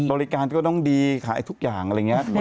บริการก็ต้องดีขายทุกอย่างเป็นปฏิติ